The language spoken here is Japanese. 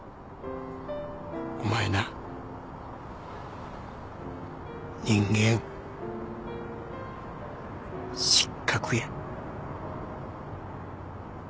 お前な人間失格や。